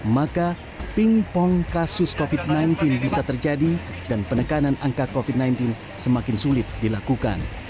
maka pingpong kasus covid sembilan belas bisa terjadi dan penekanan angka covid sembilan belas semakin sulit dilakukan